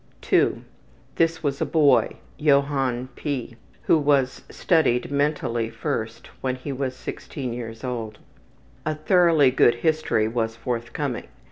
II. This was a boy, Johann P., who was studied mentally first when he was 16 years old. A thoroughly good history was forthcoming.